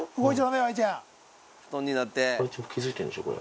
愛ちゃん気付いてるんでしょこれ。